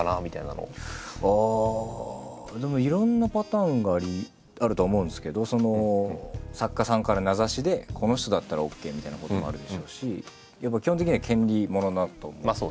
ああでもいろんなパターンがあるとは思うんですけど作家さんから名指しでこの人だったらＯＫみたいなこともあるでしょうしやっぱ基本的には権利ものだと思うんで。